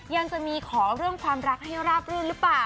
ยังจะมีขอเรื่องความรักให้ราบรื่นหรือเปล่า